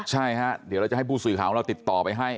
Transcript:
ใช่ฮะเดี๋ยวเราจะให้ผู้สื่อข่าวของเราติดต่อไปให้